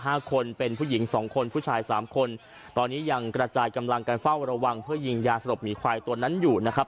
ห้าคนเป็นผู้หญิงสองคนผู้ชายสามคนตอนนี้ยังกระจายกำลังการเฝ้าระวังเพื่อยิงยาสลบหมีควายตัวนั้นอยู่นะครับ